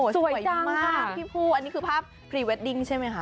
สวยมากค่ะอันนี้คือภาพพหรี่เวดดิ้งใช่มั้ยค่ะ